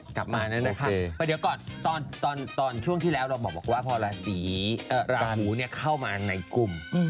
กลับมานั้นนะคะเพราะเดี๋ยวก่อนตอนช่วงที่แล้วเราบอกว่าพอราศีราหูเข้ามาในกลุ่ม